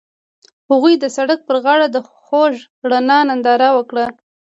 هغوی د سړک پر غاړه د خوږ رڼا ننداره وکړه.